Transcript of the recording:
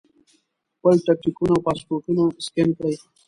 خپل ټکټونه او پاسپورټونه سکین کړي.